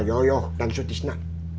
yoyoh dan sutisna